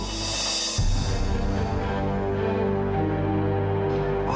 tunggu aku mau ke teman aku